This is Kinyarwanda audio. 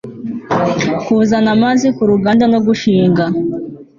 kuzana amazi ku ruganda no gushinga